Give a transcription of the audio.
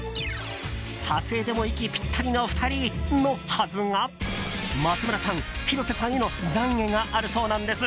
撮影でも息ピッタリの２人のはずが松村さん、広瀬さんへの懺悔があるそうなんです。